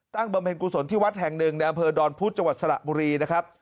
ตั้งบำเพ็ญฟูสลที่วัดแห่งหนึ่งในอำเภอดอนพุธจสระบุรีนะครับ